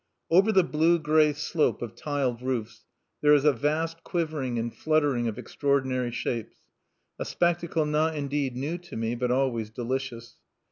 Over the blue gray slope of tiled roofs there is a vast quivering and fluttering of extraordinary shapes, a spectacle not indeed new to me, but always delicious.